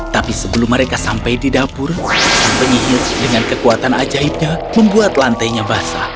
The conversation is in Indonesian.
tapi sebelum mereka sampai di dapur sang penyihir dengan kekuatan ajaibnya membuat lantainya basah